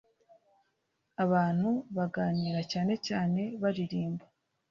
abantu baganira cyanecyane baririmba,